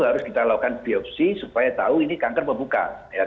harus kita lakukan biopsi supaya tahu ini kanker membuka